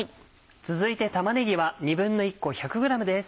続いて玉ねぎは１／２個１００ｇです。